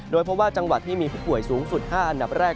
เพราะว่าจังหวัดที่มีผู้ป่วยสูงสุด๕อันดับแรก